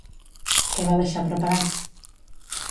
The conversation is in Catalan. Què va deixar preparat?